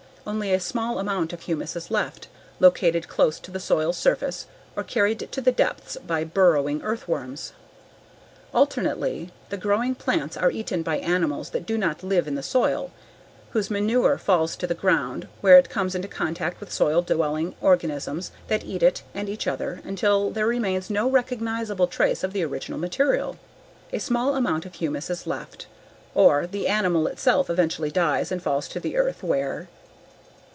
Only a small amount of humus is left, located close to the soil's surface or carried to the depths by burrowing earthworms. Alternately, the growing plants are eaten by animals that do not live in the soil, whose manure falls to the ground where it comes into contact with soil dwelling organisms that eat it and each other until there remains no recognizable trace of the original material. A small amount of humus is left. Or the animal itself eventually dies and falls to the earth where